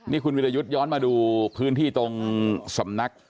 นี่คุณวิรยุทธ์ย้อนมาดูพื้นที่ตรงสำนัก